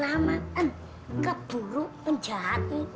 apa yang kalian ini